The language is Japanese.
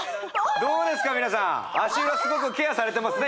どうですか皆さん足裏すごくケアされてますね